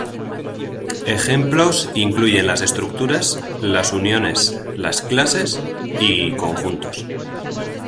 Ejemplos incluyen las estructuras, las uniones, las clases, y conjuntos.